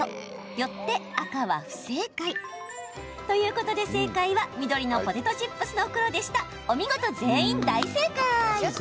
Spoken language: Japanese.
よって、赤は不正解。ということで正解は緑のポテトチップスの袋でした。